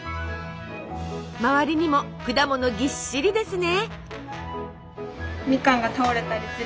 まわりにも果物ぎっしりですね。